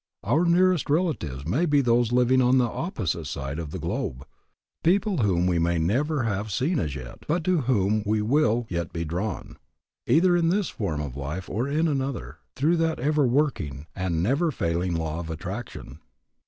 Our nearest relatives may be those living on the opposite side of the globe, people whom we may never have seen as yet, but to whom we will yet be drawn, either in this form of life or in another, through that ever working and never failing law of attraction.